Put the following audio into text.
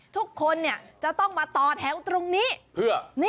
ทุกคนจะต้องมาต่อแถวตรงนี้เพื่อ